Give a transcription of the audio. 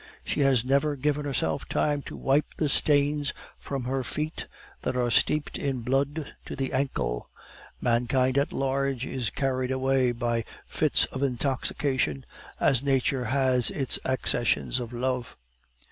She has never given herself time to wipe the stains from her feet that are steeped in blood to the ankle. Mankind at large is carried away by fits of intoxication, as nature has its accessions of love.